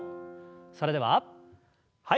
それでははい。